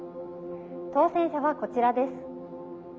当選者はこちらです。